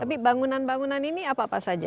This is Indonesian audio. jadi bangunan bangunan ini apa apa saja